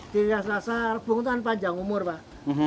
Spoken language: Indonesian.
ciri khas rasa rebung itu kan panjang umur pak